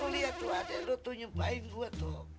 tuh liat tuh adek lu tuh nyumpain gua tuh